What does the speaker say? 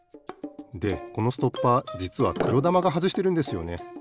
でこのストッパーじつはくろだまがはずしてるんですよね。